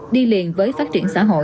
đi liền với phát triển xã hội